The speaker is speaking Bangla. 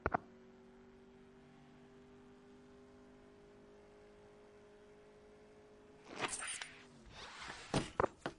মামলায় ওই গৃহবধূর স্বামীসহ অজ্ঞাত পরিচয় সাত আটজনকে আসামি করা হয়েছে।